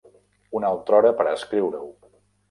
Una altra hora per escriure-ho.